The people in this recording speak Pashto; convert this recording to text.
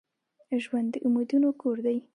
ژوند د امیدونو کور دي.